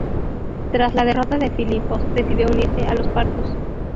Tras la derrota de Filipos, decidió unirse a los partos.